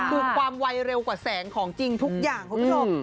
คือความไวเร็วกว่าแสงของจริงทุกอย่างคุณผู้ชม